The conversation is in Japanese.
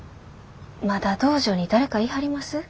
まだ道場に誰かいはります？